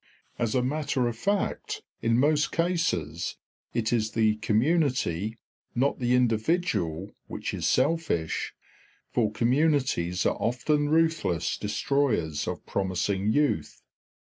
As a matter of fact, in most cases, it is the community, not the individual, which is selfish; for communities are often ruthless destroyers of promising youth.